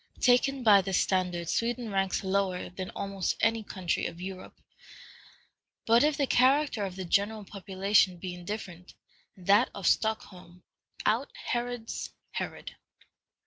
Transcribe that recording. Taken by this standard, Sweden ranks lower than almost any country of Europe. But if the character of the general population be indifferent, that of Stockholm "out Herods Herod."